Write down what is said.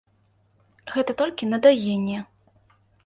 Гэта толькі на даенне.